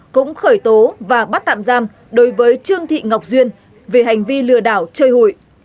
cũng khởi tố và bắt tạm giam đối với trương thị ngọc duyên về hành vi lừa đảo chơi hụi